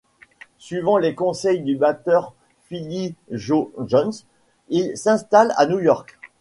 Suivant les conseils du batteur Philly Joe Jones, il s'installe à New York.